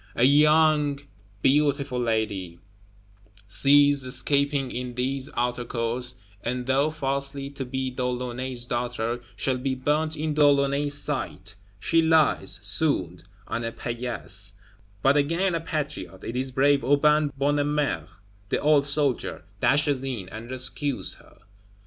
A young beautiful lady, seized, escaping, in these Outer Courts, and thought falsely to be De Launay's daughter, shall be burnt in De Launay's sight; she lies, swooned, on a paillasse; but again a Patriot it is brave Aubin Bonnemère, the old soldier dashes in, and rescues her.